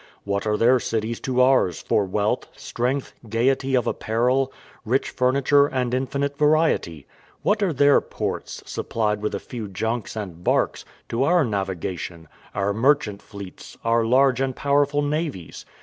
What are their cities to ours, for wealth, strength, gaiety of apparel, rich furniture, and infinite variety? What are their ports, supplied with a few junks and barks, to our navigation, our merchant fleets, our large and powerful navies?